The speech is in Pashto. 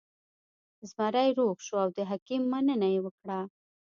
زمری روغ شو او د حکیم مننه یې وکړه.